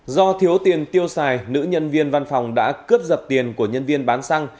do thiếu tiền tiêu xài nữ nhân viên văn phòng đã cướp giật tiền của nhân viên bán xăng